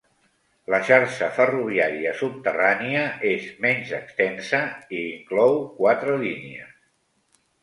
La xarxa ferroviària subterrània és menys extensa i inclou quatre línies.